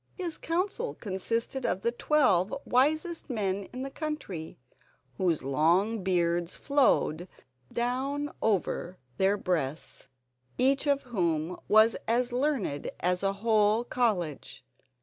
His council consisted of the twelve wisest men in the country, whose long beards flowed down over their breasts, each of whom was as learned as a whole college.